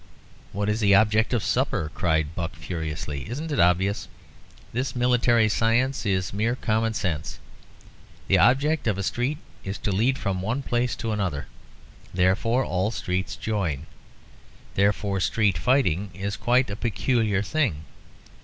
"What is the object of supper?" cried Buck, furiously. "Isn't it obvious? This military science is mere common sense. The object of a street is to lead from one place to another; therefore all streets join; therefore street fighting is quite a peculiar thing.